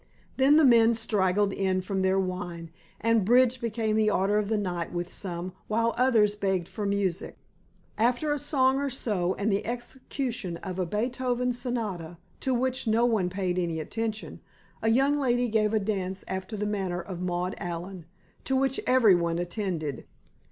Then the men straggled in from their wine, and bridge became the order of the night with some, while others begged for music. After a song or so and the execution of a Beethoven sonata, to which no one paid any attention, a young lady gave a dance after the manner of Maud Allan, to which everyone attended.